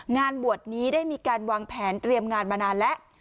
งานบวชนี้ได้มีการวางแผนเตรียมงานมานานแล้ว